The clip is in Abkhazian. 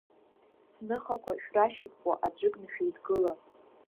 Ҳныхақәа шәрашьапкуа аӡәыкны шәеидгыла!